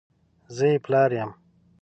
زه یې پلار یم !